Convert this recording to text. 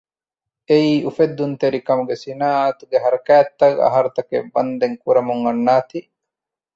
އެއީ އުފެއްދުންތެރކަމުގެ ސިނާއަތުގެ ހަރަކާތްތައް އަހަރުތަކެއް ވަންދެން ކުރަމުން އަންނާތީ